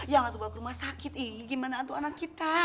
ya gak tuh buat rumah sakit igi gimana tuh anak kita